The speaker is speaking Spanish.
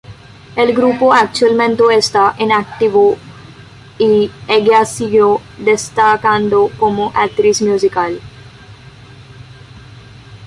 El grupo actualmente está inactivo y ella sigue destacando como actriz musical.